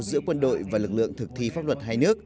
giữa quân đội và lực lượng thực thi pháp luật hai nước